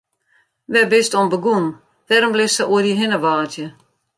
Wêr bist oan begûn, wêrom litst sa oer dy hinne wâdzje?